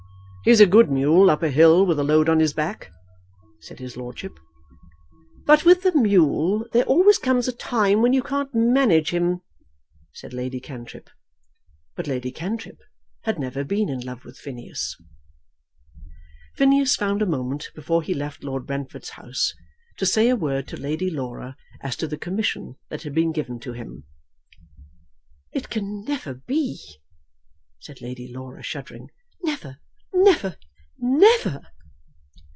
"He's a good mule up a hill with a load on his back," said his lordship. "But with a mule there always comes a time when you can't manage him," said Lady Cantrip. But Lady Cantrip had never been in love with Phineas. Phineas found a moment, before he left Lord Brentford's house, to say a word to Lady Laura as to the commission that had been given to him. "It can never be," said Lady Laura, shuddering; "never, never, never!"